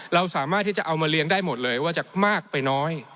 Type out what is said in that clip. เราสามารถที่จะเอามาเลี้ยงได้หมดเลยว่าจะมากไปน้อย